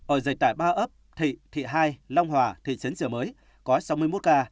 ổ dịch tại ba ấp thị thị hai long hòa thị trấn triều mới có sáu mươi một ca